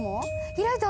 開いた。